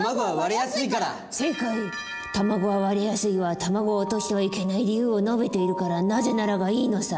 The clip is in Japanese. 「卵は割れやすい」は卵を落としてはいけない理由を述べているから「なぜなら」がいいのさ。